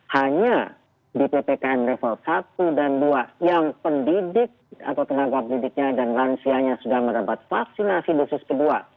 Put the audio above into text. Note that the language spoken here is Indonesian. hanya di ppkm level satu dan dua yang pendidik atau tenaga pendidiknya dan lansianya sudah mendapat vaksinasi dosis kedua